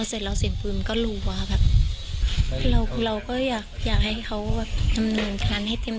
พอเสร็จแล้วเสียงปืนก็รู้ว่าแบบเราก็อยากให้เขาทำงานให้เต็ม